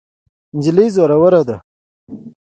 نجلۍ زړوره ده.